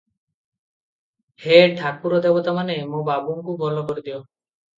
ହେ ଠାକୁର ଦେବତାମାନେ! ମୋ ବାବୁଙ୍କୁ ଭଲ କରିଦିଅ ।